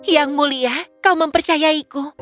yang mulia kau mempercayaiku